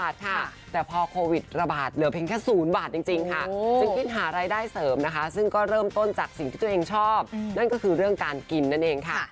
ซึ่งคิดหารายได้เสริมนะคะซึ่งก็เริ่มต้นจากสิ่งที่ตัวเองชอบนั่นก็คือเรื่องการกินนั่นเองค่ะ